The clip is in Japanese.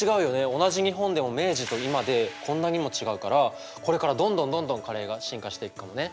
同じ日本でも明治と今でこんなにも違うからこれからどんどんどんどんカレーが進化していくかもね。